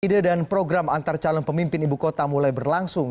ide dan program antar calon pemimpin ibu kota mulai berlangsung